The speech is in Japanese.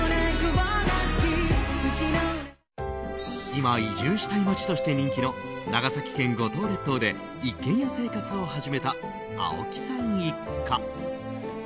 今、移住したい町として人気の長崎県五島列島で一軒家生活を始めた青木さん一家。